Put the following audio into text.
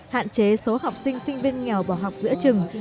hạn chế số học sinh sinh viên nghèo bỏ học giữa trường